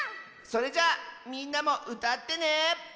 それじゃあみんなもうたってね！